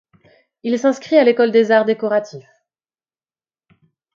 Il s'inscrit à l'École des arts décoratifs.